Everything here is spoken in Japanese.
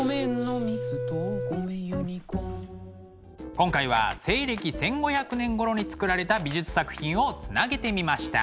今回は西暦１５００年ごろにつくられた美術作品をつなげてみました。